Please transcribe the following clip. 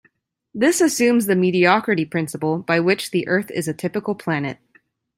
This assumes the mediocrity principle, by which the Earth is a typical planet.